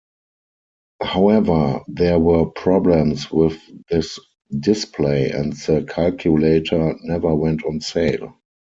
However, there were problems with this display and the calculator never went on sale.